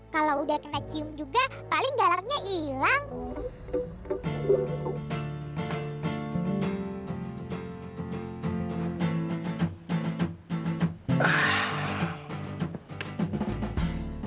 kalo udah kena cium juga paling galaknya ilang